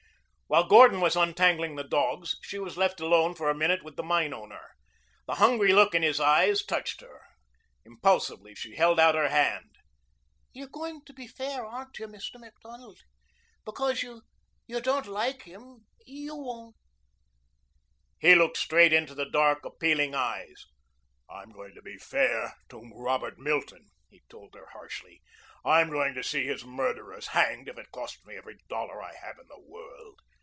While Gordon was untangling the dogs she was left alone for a minute with the mine owner. The hungry look in his eyes touched her. Impulsively she held out her hand. "You're going to be fair, aren't you, Mr. Macdonald? Because you don't like him you won't ?" He looked straight into the dark, appealing eyes. "I'm going to be fair to Robert Milton," he told her harshly. "I'm going to see his murderers hanged if it costs me every dollar I have in the world."